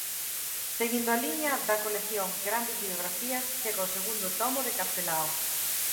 Seguindo a liña da Colección Grandes Biografías, chega o segundo tomo de Castelao.